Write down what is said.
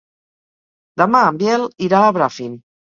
Demà en Biel irà a Bràfim.